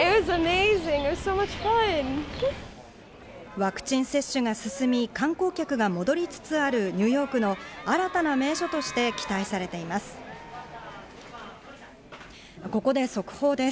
ワクチン接種が進み観光客が戻りつつあるニューヨークの新たな名所として期待されています。